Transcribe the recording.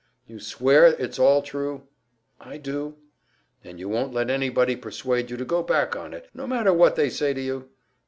"You swear it's all true?" "I do." "And you won't let anybody persuade you to go back on it no matter what they say to you?"